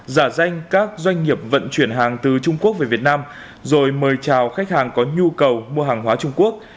giả danh các doanh nghiệp vận chuyển hàng từ trung quốc về việt nam rồi mời chào khách hàng có nhu cầu mua hàng hóa trung quốc